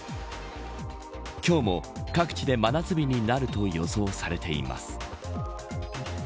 今日も各地で真夏日になると予想されています。